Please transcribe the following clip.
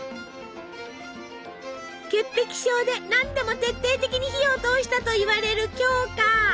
潔癖症で何でも徹底的に火を通したといわれる鏡花。